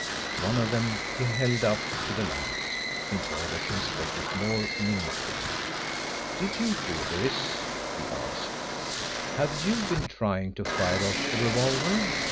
One of them he held up to the light in order to inspect it more minutely. "Did you do this?" he asked: "Have you been trying to fire off the revolver?"